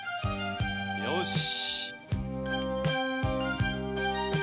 よし。